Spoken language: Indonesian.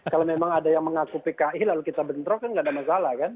kalau memang ada yang mengaku pki lalu kita bentrok kan nggak ada masalah kan